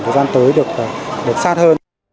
thời gian tới được sát hơn